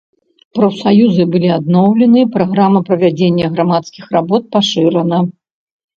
Прафсаюзы былі адноўлены, праграма правядзення грамадскіх работ пашырана.